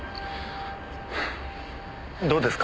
どうですか？